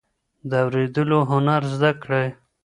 د اورېدلو هنر زده کړئ.